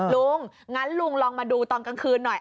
งั้นลุงลองมาดูตอนกลางคืนหน่อย